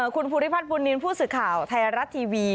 คุณภูริพันธ์บุญนินทร์ผู้สึกข่าวไทยรัตน์ทีวี